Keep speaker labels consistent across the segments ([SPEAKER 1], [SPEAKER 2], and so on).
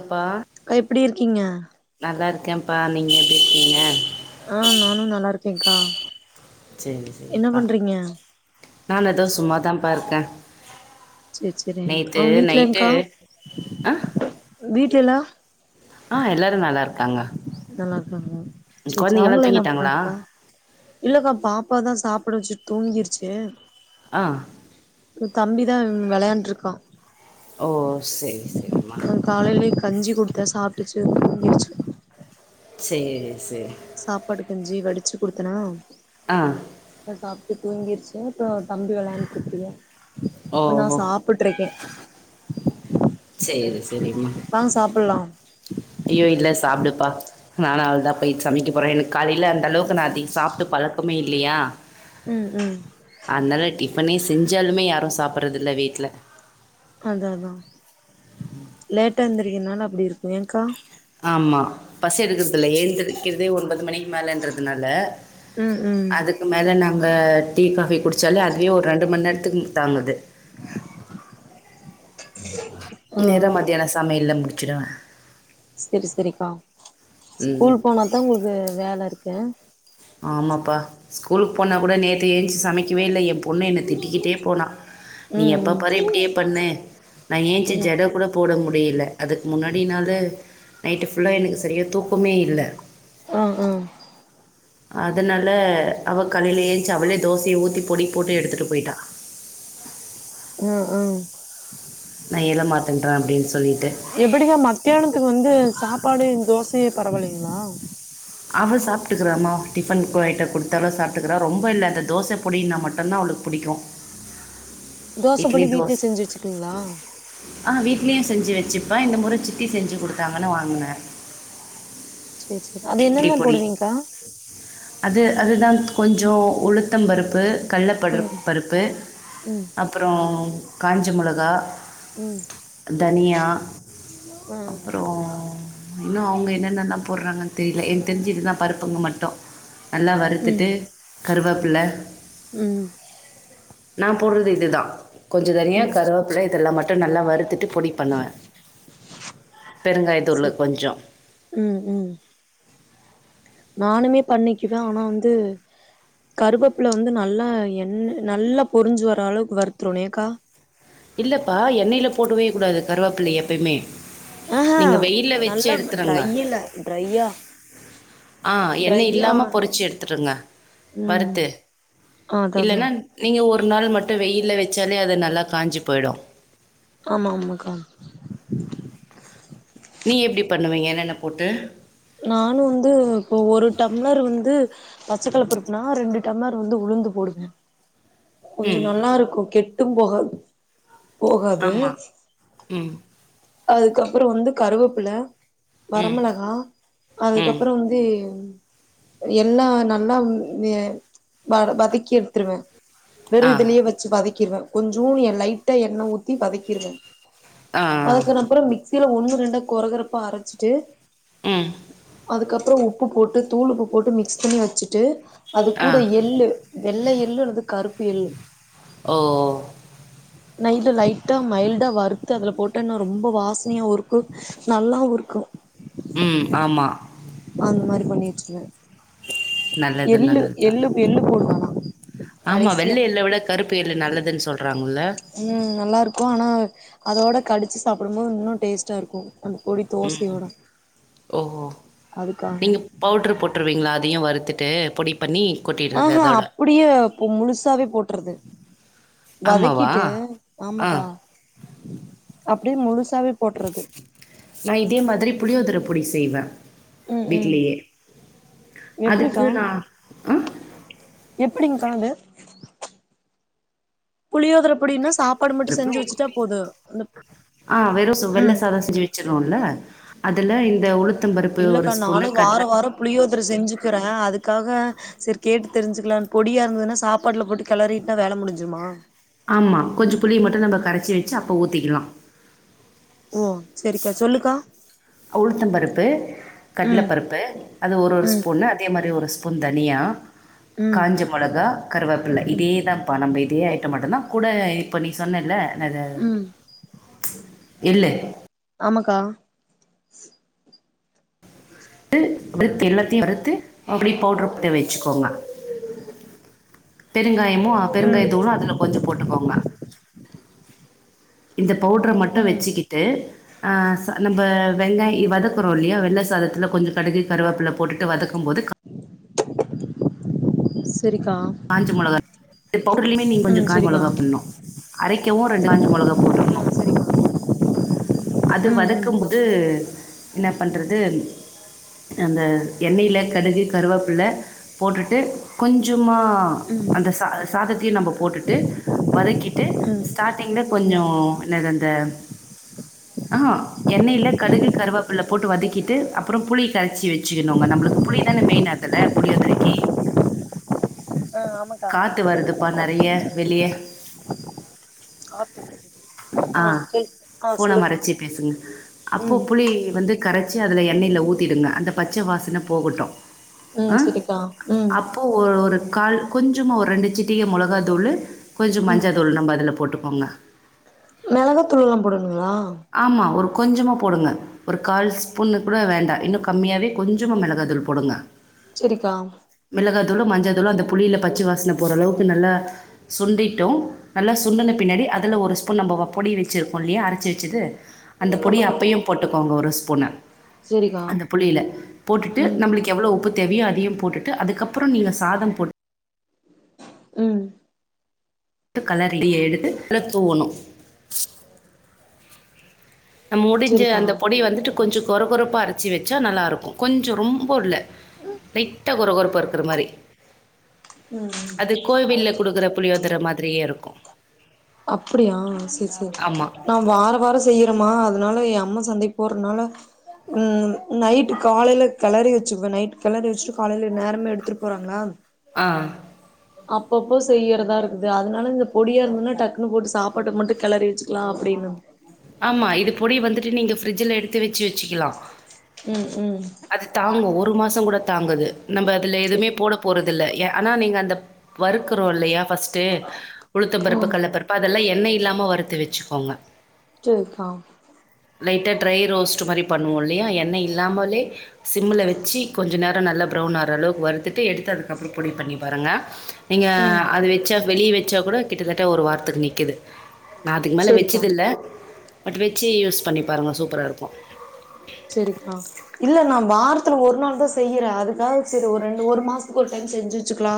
[SPEAKER 1] ப்பா
[SPEAKER 2] க எப்டி இருக்கீங்க
[SPEAKER 1] இர்கேம்பா நீங்க [inaudible]
[SPEAKER 2] ஆஹ் நானு நல்லாருக்கேங்கா
[SPEAKER 1] செரி செரிப்பா நா இதோ சும்மாதா பார்க்க
[SPEAKER 2] சேர் சேரிங்க் அவன் வீட்லென்க்கா
[SPEAKER 1] ஆ
[SPEAKER 2] வீட்ல இல்ல
[SPEAKER 1] தாங்கா
[SPEAKER 2] நல்லாருக்காங்க
[SPEAKER 1] கொழந்தைங்க எல்லா தூங்கிட்டாங்களா
[SPEAKER 2] இல்லக்கா பாப்பாதான் சாப்புட வச்சுட்டு தூங்கிருச்சு
[SPEAKER 1] ஆஹ்
[SPEAKER 2] தம்பிதா வெளையாண்ட்ருக்கா
[SPEAKER 1] ஓ செரி செரிமா
[SPEAKER 2] காலையிலயே கஞ்சி குடுத்த சாப்ட்டுச்சு தூங்கிடிச்சு
[SPEAKER 1] சே சே
[SPEAKER 2] சாப்பாடு கஞ்சி வடிச்சிக் குடுத்தெனா
[SPEAKER 1] ஆஹ்
[SPEAKER 2] டு தூங்கிற்ச்சி அப்பற தம்பி வெள்ளான்ட்ருகுது
[SPEAKER 1] ஓ
[SPEAKER 2] இப்ப நா
[SPEAKER 1] ஓ
[SPEAKER 2] சாப்புட்ரிக்கே
[SPEAKER 1] சேரி சேரிம்மா
[SPEAKER 2] சாப்புட்லா
[SPEAKER 1] ஐயோ இல்ல சாப்டுப்பா நானு அவ்ளுதா போய் சமெய்க்கப் போறே எனக்கு காலேயில அந்தளவுக்கு நா அதிங் சாப்ட்டு பழக்கமே இல்லியா
[SPEAKER 2] உம் உம்
[SPEAKER 1] பனே செஞ்சாலுமே யாரு சாப்பட்றதில்ல வீட்ல
[SPEAKER 2] அதாதா லேட்டா எந்தரிக்கர்னால அப்படி இருக்கும் ஏங்க்கா
[SPEAKER 1] ஆம்மா பஸி எடுக்குற்துல ஏந்திரிக்கிற்தே ஒன்பது மணிக் மேலன்றதுனால
[SPEAKER 2] ம் ம்
[SPEAKER 1] அதுக்கு மேல நாங் பட் டீ காபி குடிச்சாலே அதுவே ஒரு ரெண்டு மணி நேரதுக்கு தாங்குது
[SPEAKER 2] ம்
[SPEAKER 1] நேர மத்தியான சமையல முடி ச்சிரா
[SPEAKER 2] சரி சரி கா
[SPEAKER 1] ம்
[SPEAKER 2] ஸ்கூல் போனாதான் உங்களுகு வேல இருக் ஹ
[SPEAKER 1] ஆமாப்பா ஸ்கூலுக்கு போனா கூட நேர் ஏந்ச்சி சமைக்கவே இல்ல என் பொண்ணு என்னை திட்டிக்கிட்டே போனான் நீ எப்போ
[SPEAKER 2] ம் ம்
[SPEAKER 1] பாரு இப்படியே பண்ணு நான் ஏந்துச்சி
[SPEAKER 2] ம்
[SPEAKER 1] ஜட கூட போட முடியல அதுக்கு முன்னாடினாலு நைட்டு ஃபுல்லாக எனக்கு சரியாக தூக் உமே இல்ல
[SPEAKER 2] ஆ ஹ
[SPEAKER 1] அதனால அவக் கலையில ஏய்ந்ச்சி அவலே தோசையை ஊற்றி பொடி போட்டு எடுத்துகிட்டு போய்டா
[SPEAKER 2] ஹம் ஹங்
[SPEAKER 1] நான் ஏல மாத்தன்டர அப்டின் சொல்
[SPEAKER 2] எப்டிதான் மத்தியான அது வந்து சாப்பாடு தோசையே பரவலைங்கலா
[SPEAKER 1] அவ சாப்பிட்டுகிறாமோ டிஃபன் பொயிட்டு கொடுத்த சாப்பிட்டுகறா ரொம்ப இல்ல அந்த தோசை பொடினா மட்டுதா அவளுக்கு பிடிகும்
[SPEAKER 2] தோச பொடி வீட்லே செஞ்சு வச்சுர்ங்கிளா
[SPEAKER 1] இட்லியு செஞ்சு வச்சுப்பா இந்த முறை சித்தி செஞ்சு கொடுத்தாங்கனு வாங்னே
[SPEAKER 2] சரி சரி அது என்னென்ன போடுவீங்கா
[SPEAKER 1] அது தான் கொஞ்சோம் உளுத பருப்பு கள்ளப்படு
[SPEAKER 2] ம்
[SPEAKER 1] பருப்பு
[SPEAKER 2] ம்
[SPEAKER 1] அப்புறம் கா பச்சமோளகா
[SPEAKER 2] ம்
[SPEAKER 1] தனியா
[SPEAKER 2] ஆ
[SPEAKER 1] அப்புற இன்னும் அவங்க என்னென்னல்லா போடுறாங்கன்னு தெரில எனக் தெரிஞ்சி இதா பருப்புக்கு மட்டோ நல்லா வருத்துட்டு கருவபில்ல
[SPEAKER 2] உம்
[SPEAKER 1] நான் போடுறது இதுதா கொஞ்ச தனிய
[SPEAKER 2] ம்
[SPEAKER 1] கருவேப்பில இதெல்லா மட் நல்லவர் எடுத்துட்டு பொடி பண்னா பெருங்காயதுளு
[SPEAKER 2] செரி
[SPEAKER 1] கொஞ்சோ
[SPEAKER 2] ம் ம் நானுமே பண்னைக்கு ஆனா வந்து கருவேப்புல வந்து நல்ல எண் நல்லா பொரிஞ்சு வர அளவுக்கு வருதரனு ஏகா
[SPEAKER 1] இல்லப்பா எண்ணெயில போடுவே கூடாது கருவபிள்ளை எப்பயுமே
[SPEAKER 2] ஆஹ ஹ
[SPEAKER 1] நீங்கள் வெயிலில் வச்சு
[SPEAKER 2] நல்லா
[SPEAKER 1] எடுத்துருங்க
[SPEAKER 2] டிரையீல டிரையா
[SPEAKER 1] ஆ என்ன இல்லாம பொறிச்சு எடுதுடுங்க
[SPEAKER 2] ம்
[SPEAKER 1] வருத்து
[SPEAKER 2] அதா அதா
[SPEAKER 1] இல்லன்னா நீங்க ஒரு ஒரு நாள் மட்டு வெய்யில வெச்சாலே அது நல்லா காஞ்சு போயிடு
[SPEAKER 2] ஆமா ஆமாக்கா
[SPEAKER 1] நீ எப்படி பண்ணுவ என்னென்ன போட்டு
[SPEAKER 2] நானு வந்து இப்போ ஒரு டம்ளர் வந்து பச்சக்கல்ல பருப்புனா ரெண்டு டம்ளர் வந்து உளுந்து போடுவ கொஞ்சோ
[SPEAKER 1] ம்
[SPEAKER 2] நல்லா இருக்கு கெட் டும்போகாது போகாது
[SPEAKER 1] ஆமாம் ம்
[SPEAKER 2] அதுக்கப்பறோ வந்து கருவேப்பில
[SPEAKER 1] ம்
[SPEAKER 2] வரமிளகா
[SPEAKER 1] ம்
[SPEAKER 2] அதுக்கப்பறோ வந்து எல்லா நல்லா ம் வ வதக்கி எடுத்துருவ வெறு
[SPEAKER 1] ஆ
[SPEAKER 2] இதுலயே வெச்சு வதக் வதக்கிருவ கொஞ்சூ எ லைட்டா எண்ணெய ஊத்தி வதக்கிருவ
[SPEAKER 1] ஆ
[SPEAKER 2] வதக்கினப்புறொ மிக்ஸ் ல ஒண்ணு ரெண்டா குரகொறப்பா அரச்சிட்டு
[SPEAKER 1] ம்
[SPEAKER 2] அதுக்கப்பறோ உப்பு போட்டு தூள் உப்பு போட்டு மிக்ஸ் பண்ணி வெச்சுட்டு அது
[SPEAKER 1] ஆ
[SPEAKER 2] கூட எள்ளு வெள்ள எள்ளு அல்லது கருப்பு எள்ளு
[SPEAKER 1] ஓ
[SPEAKER 2] நைட் லைட்டா மைல்டா வறுத்து அதுல போட்டன்னா ரொம்ப வாசனையாவு இருக்கூ நல்லாவு இருக்கூ
[SPEAKER 1] ம் ஆமா
[SPEAKER 2] அந்த மாரி பண்ணி வெச்சுருவ
[SPEAKER 1] நல்லது
[SPEAKER 2] எள்ளு
[SPEAKER 1] நல்லதுதா
[SPEAKER 2] எள்ளு எள்ளு போடுவ
[SPEAKER 1] ஆமா வெள்ள எள்ள விட கருப்பு எள்ளு நல்லதுனு சொல்றாங்கல்ல
[SPEAKER 2] ம் நல்லா இருக்கு ஆனா அதோட கடிச்சு சாப்பிடும்போது இன்னூ டேஸ்ட்டா இருக்கு அந்த பொடி
[SPEAKER 1] ம்
[SPEAKER 2] தோசையோட
[SPEAKER 1] ஓஹோ
[SPEAKER 2] அதுக்காக
[SPEAKER 1] நீங்க பவுடரு போட்டுருவீங்களா அதையு வறு த்துட்டு பொடி பண்ணி கொட்டிடுறது
[SPEAKER 2] ஆஹ்ஹா
[SPEAKER 1] அதோட
[SPEAKER 2] அப்படியே ப்ப முழுசாவே போட்டுறது
[SPEAKER 1] ஆமாவா
[SPEAKER 2] வதக்கிட்டு
[SPEAKER 1] ஆ
[SPEAKER 2] ஆமாக்கா அப்படியே முழுஸ்
[SPEAKER 1] நா இதே மாதிரி புளியோதர அப்படி செய்வ
[SPEAKER 2] ம் ம்
[SPEAKER 1] வீட்லயே அதுக்கு
[SPEAKER 2] எப்படிக்கா
[SPEAKER 1] நா அஹ
[SPEAKER 2] எப்படிங்க்கா அது புளியோதர பொடின்னா சாப்பாடு மட்டு
[SPEAKER 1] ட்ரிபிளு
[SPEAKER 2] செஞ்சு வச்சுட்டா போது அந்த
[SPEAKER 1] ஆஹ் வெறு வெள்ள
[SPEAKER 2] ம்
[SPEAKER 1] சாதோ செஞ்சு வச்சிருோம்ல அதுல இந்த உளுத்
[SPEAKER 2] இல்லக்கா நானு வார வாரோ புளியோதர செஞ்சுக்கிறே அதுக்காக சேரி கேட்டு தெரிஞ்சிக்கலான் பொடியா இருந்ததுன்னா சாப்பாட்டுல போட்டு கிளறிட்டா வேல முடிஞ்சிருமா
[SPEAKER 1] ஆமா கொஞ்சோ புளிய மட்டு நம்ம கரைச்சி வச்சு அப்ப ஊத்திக்கலா
[SPEAKER 2] ஓ செரிக்கா சொல்லுக்கா
[SPEAKER 1] உளுத்தம் பருப்பு கட்ல
[SPEAKER 2] ம்
[SPEAKER 1] பருப்பு அது ஒரு ஒரு
[SPEAKER 2] ம்
[SPEAKER 1] ஸ்பூனு அதே மா இந் மாரி ஒரு ஸ்பூன் தனியா
[SPEAKER 2] ம்
[SPEAKER 1] காஞ்ச மொளகா கருவேப்பில்ல இதே தா பா நம்ம இதே ஐட்ட மட்டுதா கூட இப்போ நீ சொன்னே இல்ல அதா அதா
[SPEAKER 2] ம்
[SPEAKER 1] இல்ல
[SPEAKER 2] ஆமாக்கா
[SPEAKER 1] த்து வித் எல்லாத்தையு அறுத்து அப்டி பவுடர் பண் வச்சுக்கோங்க பெருங்காயமோ பெருங்காய
[SPEAKER 2] ம்
[SPEAKER 1] தூலோ அதுல கொஞ்ச போட்டுக்கோங்க உ [inaudible] இந்த பவுடர மட்டு
[SPEAKER 2] ம்
[SPEAKER 1] வச்சுக்கிட்டு ஆ ச நம்ப வெங்காய் வதக்கோறோ இல்லியா வெள்ள சாதத்துல கொஞ்சோ கடுகு கருவேப்பில போட்டுட்டு வதக்
[SPEAKER 2] [inaudible]
[SPEAKER 1] காஞ்ச மொளகா பவுடர்லியுமே நீங்க கொஞ்சோ
[SPEAKER 2] ம்
[SPEAKER 1] காஞ்ச
[SPEAKER 2] செரிக்கா
[SPEAKER 1] மொளகா பண்ணு அரைக்கவும் ரெண்டு காஞ்ச மோளகா
[SPEAKER 2] ஆ
[SPEAKER 1] போட்டர்ணு
[SPEAKER 2] செரிக்கா
[SPEAKER 1] அது
[SPEAKER 2] ம் ம்
[SPEAKER 1] வதக்கும்போது என்ன பண்றது அந்த எண்ணெயில கடுகு கருவேப்பில்ல போட்டுட்டு கொஞ்சோ சுமா
[SPEAKER 2] ம்
[SPEAKER 1] அந்த ச சாதத்தையு நம்ப போட்டுட்டு வதக்கிட்டு
[SPEAKER 2] ம்
[SPEAKER 1] ஸ்டார்டிங்ல கொஞ்சோ
[SPEAKER 2] ம்
[SPEAKER 1] என்னது அந்த ஆ எண்ணெய்ல கடுகு கருவேப்பில்ல போட்டு வதக்கிட்டு அப்புறோ புளி கரைச்சி வச்சிக்கணுங்க நம்புளுக்கு புளி தான மெயின் அதில புளியோதறைக்கு [inaudible]
[SPEAKER 2] ஆ ஆமாக்கா
[SPEAKER 1] நெறைய வெளிய
[SPEAKER 2] காத்து
[SPEAKER 1] ஆ
[SPEAKER 2] சொல் ஆ
[SPEAKER 1] போன
[SPEAKER 2] சொல்லுக்கா
[SPEAKER 1] மறைச்சி பேசுங்க அப்போ
[SPEAKER 2] ம்
[SPEAKER 1] புளி வந்து கரச்சி அதுல எண்ணெயில ஊத்திடுங்க அந்த பச்ச வாசன போகட்டு
[SPEAKER 2] ம்
[SPEAKER 1] அ
[SPEAKER 2] செரிக்கா ம்
[SPEAKER 1] அப்போ ஒரு ஒரு கால் கொஞ்சமா ஒரு ரெண்டு சிட்டிக மொலகாதூளு கொஞ்சோ மஞ்சதூள் நம்ம அதுல போட்டு போண்ண
[SPEAKER 2] மெளக தூள்ளெலா போடுனு ங்களா
[SPEAKER 1] ஆமா ஒரு கொஞ்சமா போடுங்க ஒரு கால் ஸ்பூன்னு கூட வேண்டா இன்னு கம்மியாவோ கொஞ்சமா மெளகாதூள் போடுங்க
[SPEAKER 2] செரிக்கா
[SPEAKER 1] தூளும் மஞ்சதூளும் அந்த புளியில பச்ச வாசன போற அளவுக்கு நல்லா சுண்டிட்டோ நல்லா சுண்டன
[SPEAKER 2] ம்
[SPEAKER 1] பின்னாடி அதல ஒரு ஸ் ப்போ நம்ப ப பொடி வெச்சிருகோ இல்லியா அரச்சு ச்சிது அந்த பொடி
[SPEAKER 2] ஆமாக்கா
[SPEAKER 1] அப்பையு போட்டுக்கோங்க ஒரு ஸ் ஸ்பூன
[SPEAKER 2] செரிக்கா
[SPEAKER 1] அந்த புளில போட்டுட்டு
[SPEAKER 2] ம்
[SPEAKER 1] நம்ளுக்கு எவ்ளோ உப்பு தெரி அதையு போட்டுட்டு அதுக்கப்பறோ நீங்க சாதம் போட்
[SPEAKER 2] ம்
[SPEAKER 1] டு களரி எடுத்து அதுல தூவணு நம்ம முடிஞ்ச
[SPEAKER 2] செரிக்கா
[SPEAKER 1] அந்த பொடி வந்துட்டு கொஞ்ச கொர கொரப்பா அரைச்சி வச்சா நல்லா இருக்கு கொஞ்சோ ரொம்ப இல்ல லைட்டா கொர கொரப்பா இருக்கற மாரி
[SPEAKER 2] ம் ம்
[SPEAKER 1] அது கோவில்ல குடுக்கற புளியோதர மாதிரியே இருக்கு
[SPEAKER 2] அப்டியா சேரி சேரி
[SPEAKER 1] ஆமாம்
[SPEAKER 2] நா வாராவாரம் செய்றமா அதனால எ அம்மா சந்தைக் போறனால ம் நைட்டு காலைல கெளறி வச்சுக்குவே நைட் கெளறி வச்சுட்டு காலைல நேரமே எடுத்துட்டு போறாங்களா
[SPEAKER 1] ஆ
[SPEAKER 2] அப்பப்போ செய்யறதா இருக்குது அதனால இந்த பொடியா இருந்துதுனா டக்குன்னு போட்டு சாப்பாட்டுக்கு மட்டு கெளறி வச்சுக்கலா அப்டின்னு
[SPEAKER 1] ஆமா இது பொடி வந்துட்டு நீங்க ப்ரிட்ஜ்ல எடுத்து வச்சி வச்சிக்கலா
[SPEAKER 2] ம் ம்
[SPEAKER 1] அது தாங்கு ஒரு மாசம் கூட தாங்குது நம்ப அதுல
[SPEAKER 2] செரி
[SPEAKER 1] எதுமே போட போறதில்ல ஏ ஆனா நீங்க அந்த வறுக்குறோ இல்லையா ஃபஸ்ட்டு உளுத்தம் பருப்பு
[SPEAKER 2] ம்
[SPEAKER 1] கல்ல பருப்பு அதெல்லா எண்ணெய் இல்லாம வறுத்து வெச்சுக்கோங்க
[SPEAKER 2] சேரிக்கா
[SPEAKER 1] லைட்டா ட்ரை ரோஸ்ட்டு மாரி பண்ணுவோ இல்லையா எண்ணெ இல்லாமலே சிம்மல வச்சி கொஞ்ச நேரம் நல்லா பிரவுன் ஆவற அளவுக்கு வறுத்துட்டு எடுத்து அதுக்கப்பறோ பொடி பண்ணி பாருங்க நீங்க
[SPEAKER 2] ம்
[SPEAKER 1] அது வெச்சா வெளியே வச்சா கூட கிட்டத்தட்ட ஒரு வாரத்துக்கு நிக்கிது நா அதுக்கு மேல
[SPEAKER 2] செரிக்கா
[SPEAKER 1] வெச்சது இல்ல பட் வெச்சி யூஸ் பண்ணி பாருங்க சூப்பரா இருக்கு
[SPEAKER 2] த்துல ஒரு நாள்தா செய்யறே அதுக்காக சேரி ஒரு ரெண்டு ஒரு மாசத்துக்கு ஒரு டைம் செஞ்சி வச்சுக்கலா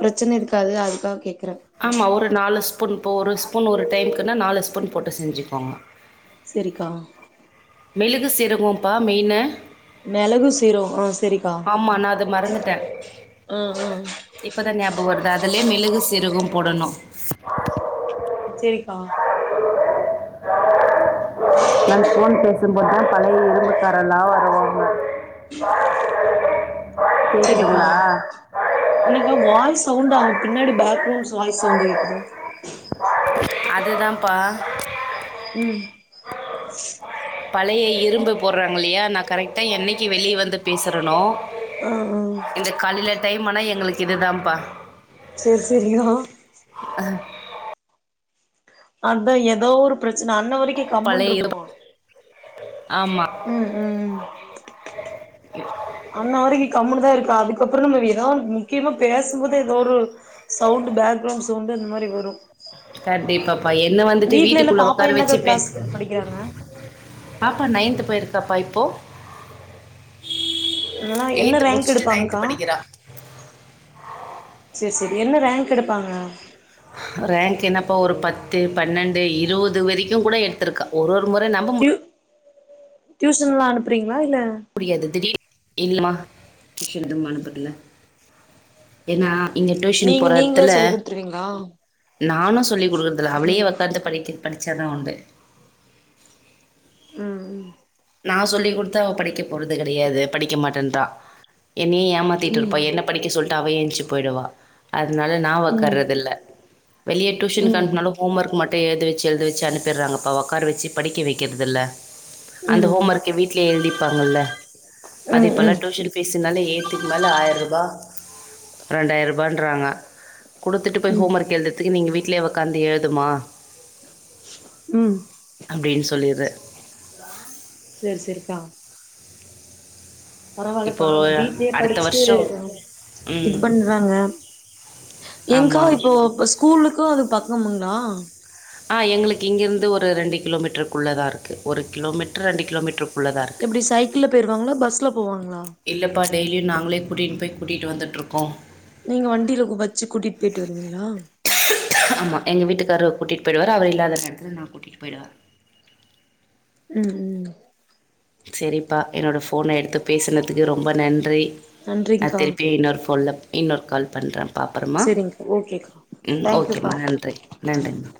[SPEAKER 2] பிரச்சன இருக்காது அதுக்காக கேக்
[SPEAKER 1] ஆமா ஒரு நாலு ஸ்பூன் இப்ப ஒரு ஸ்பூன் ஒரு டைம்க்னா நாலு ஸ் பொடி போட்டு செஞ்சுக்கோங்க
[SPEAKER 2] சேரிக்கா
[SPEAKER 1] மெளகு சீரகோ ப்பா மெயினு
[SPEAKER 2] மெளகு சீரகோ ஆ சேரிக்கா
[SPEAKER 1] ஆமா, நான் அத மறந்துட்டேன்.
[SPEAKER 2] ஆ ஆ
[SPEAKER 1] அதுலே மெளகு சிரகோ போடணு
[SPEAKER 2] சேரிக்கா
[SPEAKER 1] நன் ஃபோன் பேசும் [unintelligible] பழைய இரும்புக்காரல்லா வருவாங்க
[SPEAKER 2] செரிக்கா
[SPEAKER 1] கேக்குதுங்களா?
[SPEAKER 2] என்னக்கா வாய்ஸ் சவுண்டடு அங்க பின்னாடி பேக் [unintelligible] வாய்ஸ் சவ்ண்டு கேக்குது
[SPEAKER 1] அதுதாம்ப்பா
[SPEAKER 2] ம்
[SPEAKER 1] பழைய இரும்பு போடுறாங்ல்லயா நா கரெக்டா என்னைக்கு வெளிய வந்து பேசுறனோ
[SPEAKER 2] உம் உம்
[SPEAKER 1] டைம் ஆனா எங்ளுக்கு இது தாம்ப்பா
[SPEAKER 2] செர் செரிகா அத்தா ஏதோ ஒரு ப்ரச் சு நா அன்ன வரைக்கு
[SPEAKER 1] பழைய
[SPEAKER 2] கம்முன்ருக்கு
[SPEAKER 1] இரும்பு ஆமா
[SPEAKER 2] அண்ண வரைக்கு கம்முனு தா இருக்கா அதுக்கப்றோ நம்ம ஏதாவ முக்கியமா பேசும்போது ஏதோ ஒரு சவுண்டு பேக்ரவ்ண்ஸ் சோண்டு அந்த மாரி வரு
[SPEAKER 1] கண்டிப்பாப்பா என்ன வந்துட்டு
[SPEAKER 2] வீட்ல எல்லா
[SPEAKER 1] வீட்டுக்குள்ள
[SPEAKER 2] பாப்பா
[SPEAKER 1] உக்கார
[SPEAKER 2] என்னக்கா
[SPEAKER 1] வச்சு பே
[SPEAKER 2] கிளாஸ் படிக்கிறாங்க
[SPEAKER 1] பாப்பா நைன்த் போய்ருக் தப்பாய்ப்போ
[SPEAKER 2] ஆனா என்ன ரங்க் எடுப்பாங்க்கா
[SPEAKER 1] படிக்கிறா
[SPEAKER 2] சேர் சே என்ன ரங்க் எடுப்பாங்க
[SPEAKER 1] ரங்க் என்னப்பா ஒரு பத்து பன்னெண்டு இருவது வரைக்கு கூட எடுத்துருக்கா ஒருஒரு ஒரு மொற நம்ப மு
[SPEAKER 2] டியூசன்லா அனுப்றீங்ளா இல்ல
[SPEAKER 1] முடியாது திடீ இல்லமா ட்யூசன் ஏது அனுப்தில்ல ஏன்னா இங்க டியூஷன்காகு
[SPEAKER 2] நீங்க
[SPEAKER 1] போற
[SPEAKER 2] நீங்களே
[SPEAKER 1] எட்த்துல
[SPEAKER 2] சொல்லி குடுத்துருவீங்களா
[SPEAKER 1] நானு சொல்லி குடுக்குறதில்ல அவளே
[SPEAKER 2] ம்
[SPEAKER 1] உக்காந்து படிக்க பண் ச்சத உண்டு
[SPEAKER 2] ம் ம்
[SPEAKER 1] நா சொல்லி் குடுத்தா அவ படிக்க போறது கடையாது படிக்க மாட்டன்றா என்னையு ஏமாத்திட்டு இருப்பா
[SPEAKER 2] ம்
[SPEAKER 1] என்ன படிக்க சொல் தவயேஞ்சு போய்டுவா அதனால நா
[SPEAKER 2] ம்
[SPEAKER 1] ஒக்காறதுல்ல வெளிய டியூஷன்கு
[SPEAKER 2] ம் ம்
[SPEAKER 1] அனுப்புனாலு ஹோம் ஒர்க் மட் த்த எழுத வச்சு எழுத வச்சு அனுப்டுறாங்கப்பா உக்கார வச்சு படிக்க வைக்கிறதில்ல அந்த ஹோம்மொர்க்க வீட்லயே எழுதி ப்பாங்கல்ல அது இப்பல்லா
[SPEAKER 2] ம் ம்
[SPEAKER 1] டியுஷன் பீஸ்னாலே ஏ த்துக் மேல ஆயிரரூபா ரெண்டாயிரரூபான்றாங்க குடுத்துட்டு போய்
[SPEAKER 2] ம்
[SPEAKER 1] ஹோம் ஒர்க் எழுதுரதுக்கு நீங்க வீட் வீட்லயே ஒக்காந்து எழுதுமா
[SPEAKER 2] ம்
[SPEAKER 1] அப்டின்னு சொல்லிரு
[SPEAKER 2] சேர் சேரிக்கா
[SPEAKER 1] இப்போ
[SPEAKER 2] பரவால்லக்கா வீட்லயே
[SPEAKER 1] அடுத்த
[SPEAKER 2] படிச்சுட்டு
[SPEAKER 1] வருஷோ
[SPEAKER 2] இது
[SPEAKER 1] ம்
[SPEAKER 2] பண்றாங்க ஏன்க்கா
[SPEAKER 1] ஆமா
[SPEAKER 2] இப்போ போ ஸ்கூலுக்கு அதுக் பக்கமுங்ளா
[SPEAKER 1] ஆ எங்களுக்கு இங்கிருந்து ஒரு ரெண்டு கிலோமீட்டருக்குள்ளதா இருக்கு ஒரு கிலோமீட்டர் ரெண்டு கிலோமீட்டருக்
[SPEAKER 2] எப்டி சைக்கிள்ல போயிருவாங்ளா பஸ்ல போவாங்ளா
[SPEAKER 1] இல்லப்பா டெய்லியும் நாங்களே கூட்டின்னு போய் கூட்டிட்டு வந்துட்ருக்கோம்
[SPEAKER 2] நீங்க வண்டில வச்சு கூட்டிட் போயிட்டு வருவீங்களா
[SPEAKER 1] ஆமா எங்க வீட்டுக்காரு கூட்டிட் போயிடுவார் அவர் இல்லாத நேரத்ல நா கூட்டிட்டு போய்டுவே
[SPEAKER 2] ம் ம்
[SPEAKER 1] சேரிப்பா என்னோட ஃபோன எடுத்து பேசுனதுக்கு ரொம்ப நன்றி அ
[SPEAKER 2] நன்றிங்க்கா
[SPEAKER 1] திருப்பி இன்னொரு ஃபோன்ல இன்னொரு கால் பண்றே அப்பறமா
[SPEAKER 2] செரிங்க்கா ஓகேக்கா
[SPEAKER 1] [inaudible] ம் ஓகேமா
[SPEAKER 2] தேங்க்யூக்கா
[SPEAKER 1] நன்றி நன்றிமா